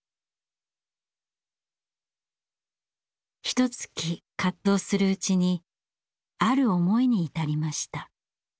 ひとつき葛藤するうちにある思いに至りました。